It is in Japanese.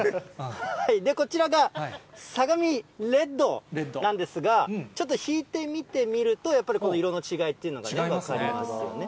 こちらが、相模レッドなんですが、ちょっと引いて見てみると、やっぱり色の違いというのがね、分かりますよね。